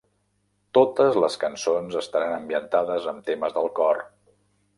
Totes les cançons estaran ambientades amb temes del cor.